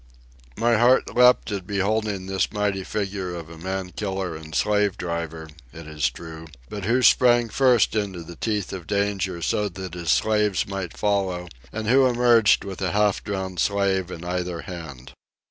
My heart leapt at beholding this mighty figure of a man killer and slave driver, it is true, but who sprang first into the teeth of danger so that his slaves might follow, and who emerged with a half drowned slave in either hand.